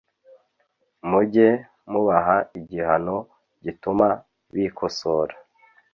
mujye mubaha igihano gituma bikosora